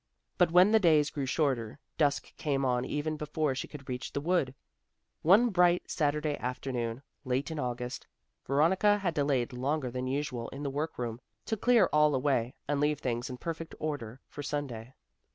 But when the days grew shorter, dusk came on even before she could reach the wood. One bright Saturday afternoon, late in August, Veronica had delayed longer than usual in the work room, to clear all away and leave things in perfect order for Sunday.